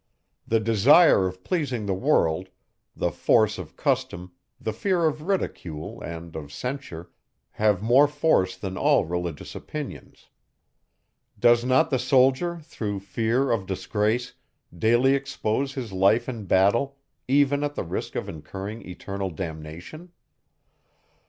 The desire of pleasing the world, the force of custom, the fear of ridicule, and of censure, have more force than all religious opinions. Does not the soldier, through fear of disgrace, daily expose his life in battle, even at the risk of incurring eternal damnation?